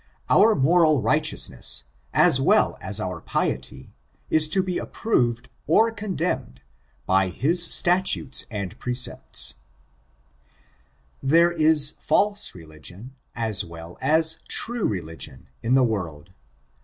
Our moral righteous ness, as well as our piety, is to be approved or condemned by his statutes and precepts. ' STRICTURES 514 There is false religion, as well as true religion, in the world.